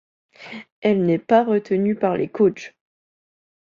Elle n'est pas retenue par les coachs.